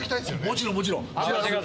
もちろんもちろん。